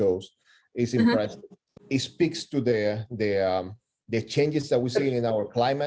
itu membicarakan perubahan yang kita lihat dalam kondisi kita